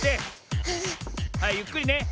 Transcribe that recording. はいゆっくりね。